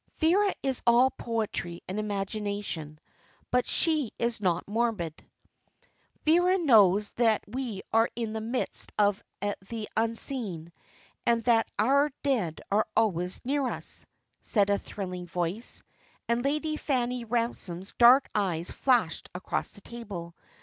"Vera is all poetry and imagination, but she is not morbid." "Vera knows that we are in the midst of the unseen, and that our dead are always near us," said a thrilling voice, and Lady Fanny Ransom's dark eyes flashed across the table.